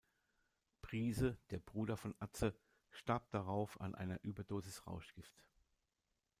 Briese, der Bruder von Atze, starb darauf an einer Überdosis Rauschgift.